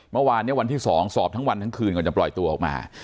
เมื่อวานนี้วันที่๒สอบทั้งวันทั้งคืนก่อนจะปล่อยตัวออกมา